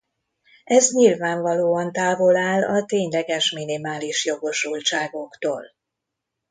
Ez nyilvánvalóan távol áll a tényleges minimális jogosultságoktól.